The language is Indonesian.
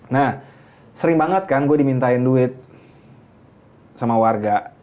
nah sering banget kan gue dimintain duit sama warga